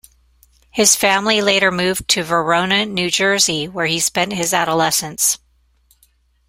His family later moved to Verona, New Jersey, where he spent his adolescence.